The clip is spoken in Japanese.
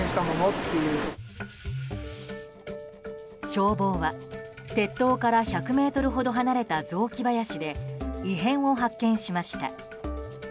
消防は鉄塔から１００ｍほど離れた雑木林で異変を発見しました。